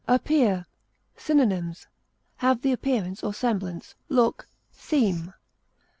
APPEAR. Synonyms: have the appearance or semblance, look, seem.